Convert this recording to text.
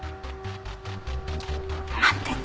待ってて。